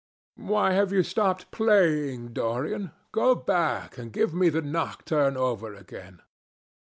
"Why have you stopped playing, Dorian? Go back and give me the nocturne over again.